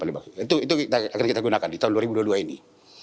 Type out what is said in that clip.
itu akan kita gunakan di tahun dua ribu dua puluh dua ini